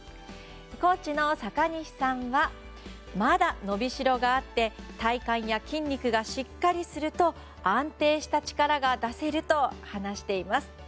コーチの阪西さんはまだ伸びしろがあって体幹や筋肉がしっかりすると安定した力が出せると話しています。